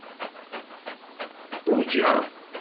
Ṛujaɣ.